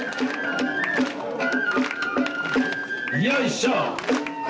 よいしょ。